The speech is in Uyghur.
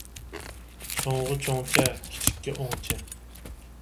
چوڭغا چوڭچە، كىچىككە ئوڭچە